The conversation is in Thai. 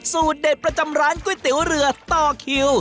สูตรเด็ดประจำร้านก๋วยเตี๋ยวเรือต่อคิว